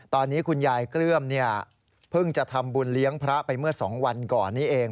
ตอนนี้คุณยายเกลื้มเพิ่งจะทำบุญเลี้ยงพระไปเมื่อ๒วันก่อนนี้เอง